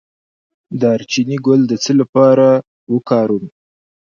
د دارچینی ګل د څه لپاره وکاروم؟